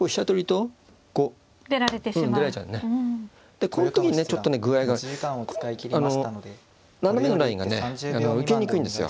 でこの時にねちょっとね具合があの斜めのラインがね受けにくいんですよ。